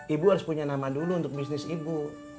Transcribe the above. ibu harus punya nama dulu untuk bisnis ibu